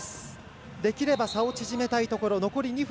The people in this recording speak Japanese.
できれば差を縮めたいところ。